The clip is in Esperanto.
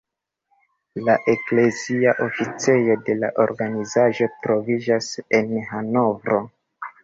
La eklezia oficejo de la organizaĵo troviĝas en Hanovro.